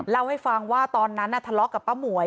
เล่าให้ฟังว่าตอนนั้นทะเลาะกับป้าหมวย